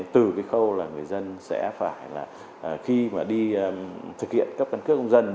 từ cái khâu là người dân sẽ phải là khi mà đi thực hiện cấp căn cước công dân